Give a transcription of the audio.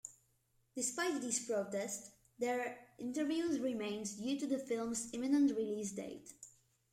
Despite these protests, their interviews remained due to the film's imminent release date.